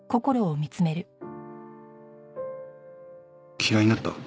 嫌いになった？